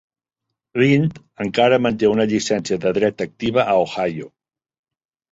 Lynd encara manté una llicència de dret activa a Ohio.